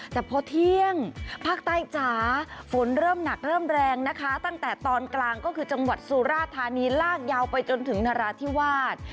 แต่พอเที่ยงภาคใต้จ๋าฝนเริ่มหนักเริ่มแรงนะคะตั้งแต่ตอนกลางก็คือจังหวัดสุราธานีลากยาวไปจนถึงนราธิวาส